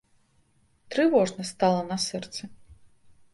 Трывожна стала на сэрцы.